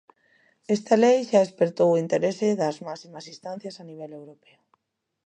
Esta lei xa espertou o interese das máximas instancias a nivel europeo.